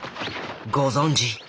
ご存じ